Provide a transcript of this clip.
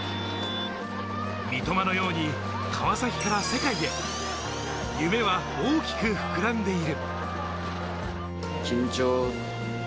三笘のように川崎から世界へ、夢は大きく膨らんでいる。